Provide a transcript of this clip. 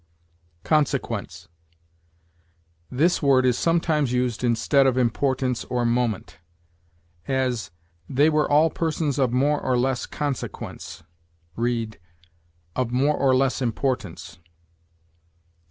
CONSEQUENCE. This word is sometimes used instead of importance or moment; as, "They were all persons of more or less consequence": read, "of more or less importance."